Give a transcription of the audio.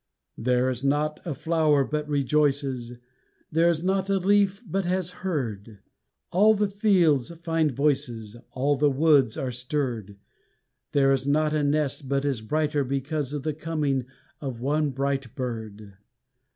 There is not a flower but rejoices, There is not a leaf but has heard: All the fields find voices, All the woods are stirred: There is not a nest but is brighter because of the coming of one bright bird.